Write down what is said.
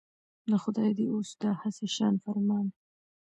د خدای دی اوس دا هسي شان فرمان.